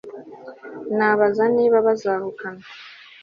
ndabaza niba bazahukana